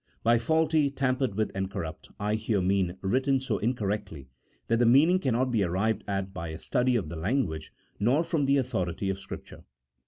By faulty, tampered with, and corrupt, I here mean written so incorrectly that the meaning cannot be arrived at by a study of the language, nor from the authority of Scripture.